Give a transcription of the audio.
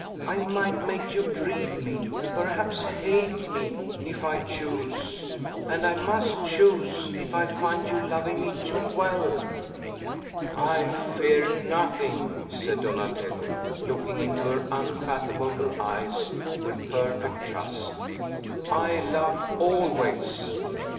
I might make you dread me, perhaps hate me, if I chose; and I must choose, if I find you loving me too well!" "I fear nothing!" said Donatello, looking into her unfathomable eyes with perfect trust. "I love always!"